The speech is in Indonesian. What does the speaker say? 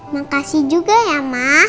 makasih juga ya ma